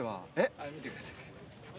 あれ見てください。